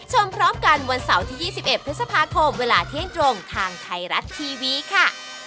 พร้อมกันวันเสาร์ที่๒๑พฤษภาคมเวลาเที่ยงตรงทางไทยรัฐทีวีค่ะ